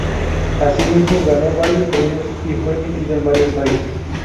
Asimismo, ganó varios premios y fue emitida en varios países.